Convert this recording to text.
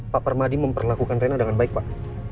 pak permadi memperlakukan rena dengan baik pak